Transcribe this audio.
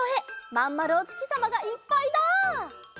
まんまるおつきさまがいっぱいだ！